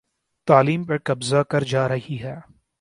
تعلیم پر قبضہ کر جا رہی ہے